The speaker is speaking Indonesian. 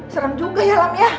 serem juga ya lam ya